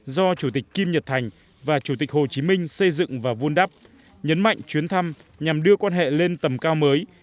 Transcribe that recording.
do chủ tịch kim nhật thành và chủ tịch hồ chí minh xây dựng và vun đắp nhấn mạnh chuyến thăm nhằm đưa quan hệ lên tầm cao mới